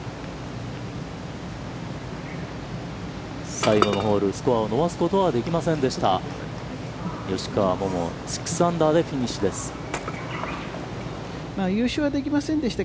最後のホール、スコアを伸ばすことはできませんでした。